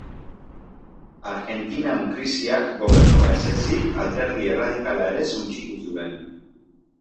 Argentinan krisiak gobernua ez ezik alderdi erradikala ere suntsitu zuen.